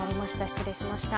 失礼しました。